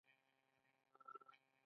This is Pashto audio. د ګاونډیو لاسپوڅي هېواد خرڅوي.